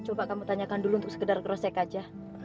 coba kamu tanyakan dulu untuk sekedar kerosek aja